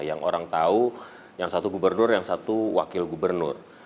yang orang tahu yang satu gubernur yang satu wakil gubernur